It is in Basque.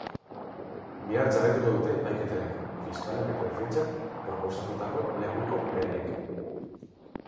Bihar jarraituko dute epaiketarekin, fiskalak eta defentsak proposatutako lekuko berriekin.